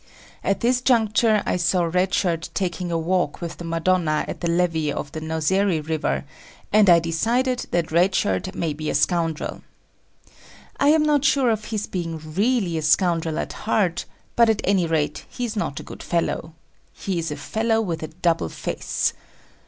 At this juncture I saw Red Shirt taking a walk with the Madonna on the levy of the Nozeri river, and I decided that Red Shirt may be a scoundrel. I am not sure of his being really scoundrel at heart, but at any rate he is not a good fellow. He is a fellow with a double face.